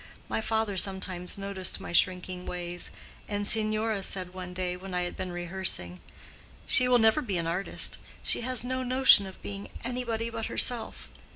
My father sometimes noticed my shrinking ways; and Signora said one day, when I had been rehearsing, 'She will never be an artist: she has no notion of being anybody but herself.